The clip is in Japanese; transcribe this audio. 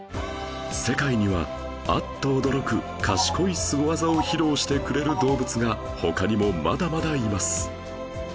世界には、あっと驚く賢いスゴ技を披露してくれる動物が他にも、まだまだいます